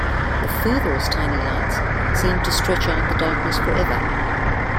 The farthest tiny lights seemed to stretch out the darkness for ever.